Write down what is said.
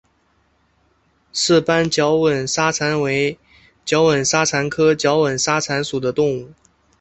色斑角吻沙蚕为角吻沙蚕科角吻沙蚕属的动物。